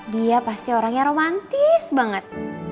dia pasti orangnya romantis banget